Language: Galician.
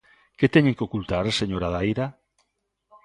¿Que teñen que ocultar, señora Daira?